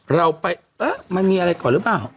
เราไปเออมันมีอะไรก่อนหรือเปล่า